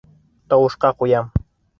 Тауышҡа ҡуям!